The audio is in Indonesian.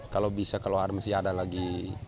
kalau bisa kalau masih ada lagi